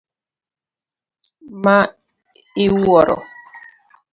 Ma iwuoro.